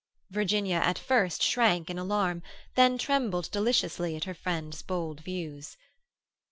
Virginia at first shrank in alarm, then trembled deliciously at her friend's bold views.